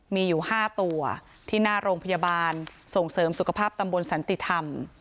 มีอยู่๕ตัวที่หน้าโรงพยาบาลส่งเสริมสุขภาพตำบลสันติธรรม